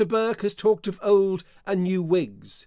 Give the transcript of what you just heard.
Burke has talked of old and new whigs.